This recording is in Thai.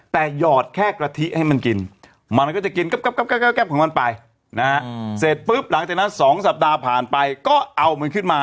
แต่หยอดแค่กระทิให้มันกินมันก็จะกินกับของมันไปนะคับ